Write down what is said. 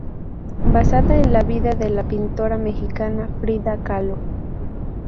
Basada en la vida de la pintora mexicana Frida Kahlo.